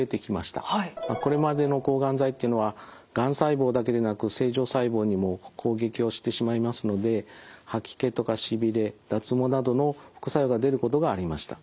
これまでの抗がん剤っていうのはがん細胞だけでなく正常細胞にも攻撃をしてしまいますので吐き気とかしびれ脱毛などの副作用が出ることがありました。